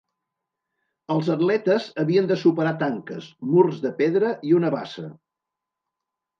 Els atletes havien de superar tanques, murs de pedra i una bassa.